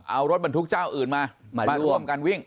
เอารถบรรทุกเจ้าอื่นมามาร่วมกันวิ่ง